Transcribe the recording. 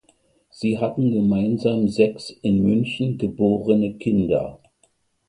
Sie hatten gemeinsam sechs in München geborene Kinder.